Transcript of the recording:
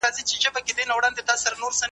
پروتزونه چاته ورکول کیږي؟